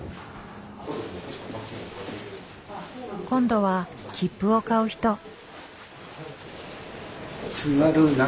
今度は切符を買う人。